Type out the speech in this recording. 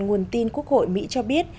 nguồn tin quốc hội mỹ cho biết